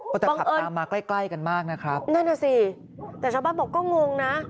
แต่ขับตามมาใกล้ใกล้กันมากนะครับนั่นน่ะสิแต่ชาวบ้านบอกก็งงนะ